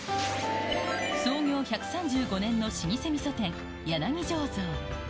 創業１３５年の老舗みそ店、柳醸造。